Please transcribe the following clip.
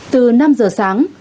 từ năm giờ sáng